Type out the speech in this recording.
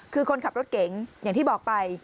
คือคนขับรถเก๋งอย่างที่บอกไป